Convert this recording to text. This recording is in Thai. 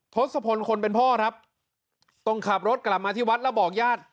ทศพรคนเป็นพ่อจะต้องขับรถกลับมาที่วัสต์และบอกญาติ